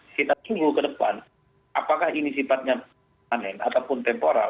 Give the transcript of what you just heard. kita tunggu ke depan apakah ini sifatnya panen ataupun temporal